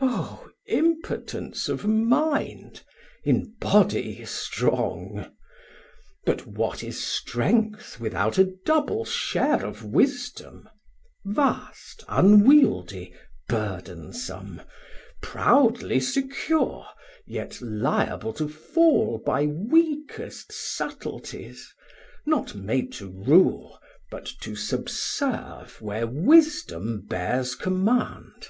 O impotence of mind, in body strong! But what is strength without a double share Of wisdom, vast, unwieldy, burdensom, Proudly secure, yet liable to fall By weakest suttleties, not made to rule, But to subserve where wisdom bears command.